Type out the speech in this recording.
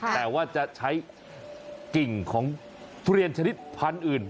แต่ว่าจะใช้กิ่งของทุเรียนชนิดพันธุ์อื่น